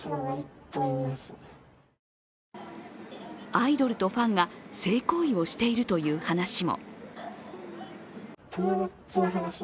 アイドルとファンが性行為をしているという話も。